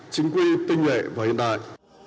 chính quy tinh vệ và hiện đại